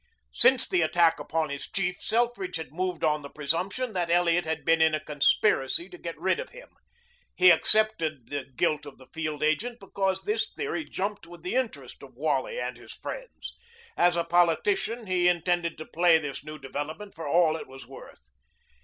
Since the attack upon his chief, Selfridge had moved on the presumption that Elliot had been in a conspiracy to get rid of him. He accepted the guilt of the field agent because this theory jumped with the interest of Wally and his friends. As a politician he intended to play this new development for all it was worth.